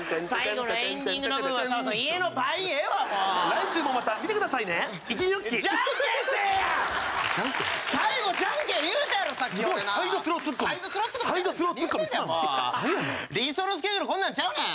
理想のスケジュールこんなんちゃうねん。